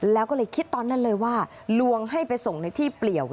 แล้วก็เลยคิดตอนนั้นเลยว่าลวงให้ไปส่งในที่เปลี่ยว